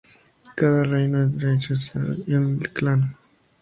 Cada reino era esencialmente un clan.